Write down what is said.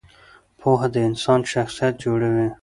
پوهه د انسان شخصیت جوړوي.